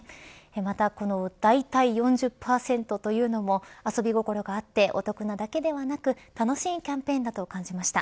またこのだいたい４０％というのも遊び心があってお得なだけではなく楽しいキャンペーンだと感じました。